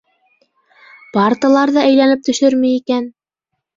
Парталар ҙа әйләнеп төшөрмө икән?